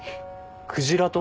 クジラと？